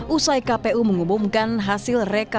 usai kpu mengumumkan hasil rekomendasi